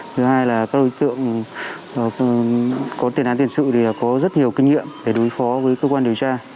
thứ hai là các đối tượng có tiền án tiền sự thì có rất nhiều kinh nghiệm để đối phó với cơ quan điều tra